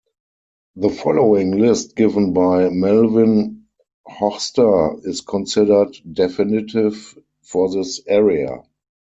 The following list given by Melvin Hochster is considered definitive for this area.